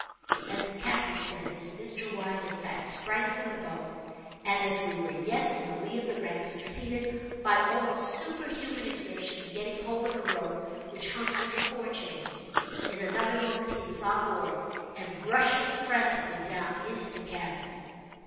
As the captain said this, Mr. Wyatt, in fact, sprang from the boat, and, as we were yet in the lee of the wreck, succeeded, by almost superhuman exertion, in getting hold of a rope which hung from the fore chains. In another moment he was on board, and rushing frantically down into the cabin.